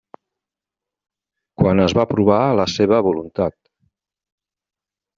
Quan es va provar la seva voluntat.